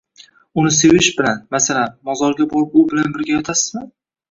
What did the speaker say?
Uni sevish bilan, masalan, mozorga borib u bilan birga yotasizmi?